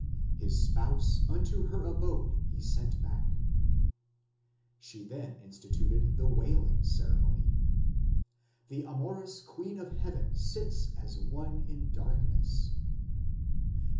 His spouse unto her abode he sent back. She then instituted the wailing ceremony: The amorous Queen of Heaven sits as one in darkness.